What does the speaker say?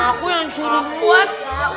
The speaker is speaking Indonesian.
aku yang suruh kuat